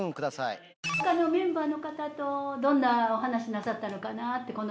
他のメンバーの方とどんなお話なさったのかなって。